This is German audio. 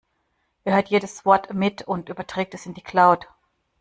Er hört jedes Wort mit und überträgt es in die Cloud.